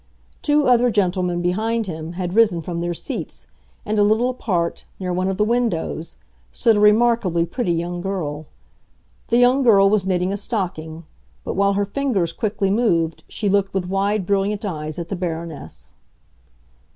Two other gentlemen, behind him, had risen from their seats, and a little apart, near one of the windows, stood a remarkably pretty young girl. The young girl was knitting a stocking; but, while her fingers quickly moved, she looked with wide, brilliant eyes at the Baroness.